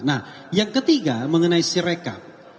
nah yang ketiga mengenai sireka